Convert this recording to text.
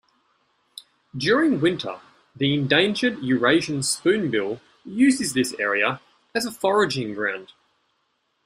During winter, the endangered Eurasian spoonbill uses this area as a foraging ground.